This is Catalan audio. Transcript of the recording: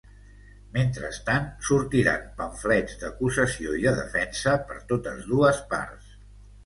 Mentrestant, sortiren pamflets d'acusació i de defensa per totes dues parts.